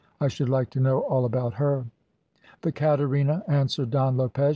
I should like to know all about her." "The Caterina," answered Don Lopez.